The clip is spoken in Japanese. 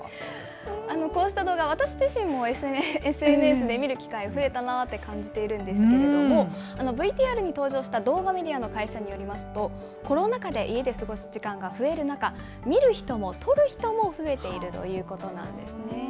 こうした動画、私自身もＳＮＳで見る機会、増えたなって感じているんですけど、ＶＴＲに登場した動画メディアの会社によりますと、コロナ禍で家で過ごす時間が増える中、見る人も撮る人も増えているということなんですね。